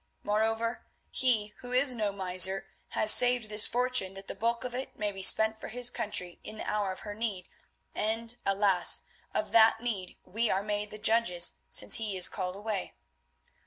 Moreover, he, who is no miser, has saved this fortune that the bulk of it may be spent for his country in the hour of her need, and alas! of that need we are made the judges, since he is called away.